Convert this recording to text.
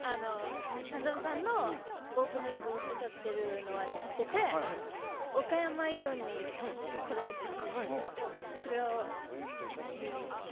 もともと、「犯沢さん」のオープニングを歌ってるのは知ってて、岡山イオンに来られたじゃないですか。